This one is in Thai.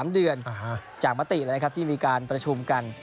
๓เดือนจากมติเลยนะครับที่มีการประชุมกัน